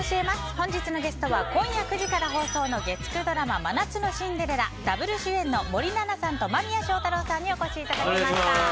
本日のゲストは今夜９時から放送の月９ドラマ「真夏のシンデレラ」ダブル主演の森七菜さんと間宮祥太朗さんにお越しいただきました。